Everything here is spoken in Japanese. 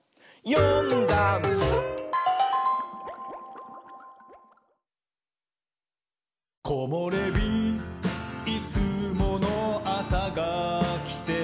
「よんだんす」「こもれびいつものあさがきて」